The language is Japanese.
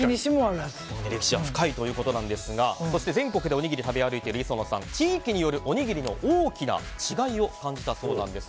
歴史は深いということですがそして全国でおにぎりを食べ歩いている磯野さん地域によるおにぎりの大きな違いを感じたそうなんです。